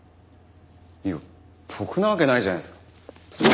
いや僕なわけないじゃないですか。